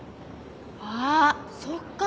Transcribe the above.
あっそっか！